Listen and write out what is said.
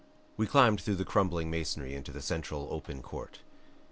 We climbed through the crumbling masonry into a central, open court.